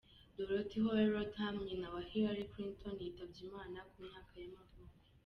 Dorothy Howell Rodham, nyina wa Hillary Clinton yitabye Imana ku myaka y’amavuko.